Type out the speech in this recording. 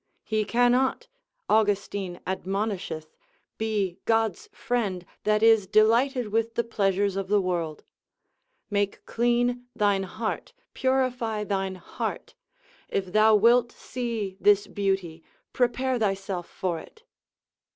He cannot (Austin admonisheth) be God's friend, that is delighted with the pleasures of the world: make clean thine heart, purify thine heart; if thou wilt see this beauty, prepare thyself for it.